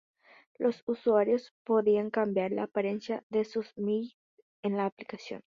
Los usuarios podían cambiar la apariencia de sus Mii en la aplicación.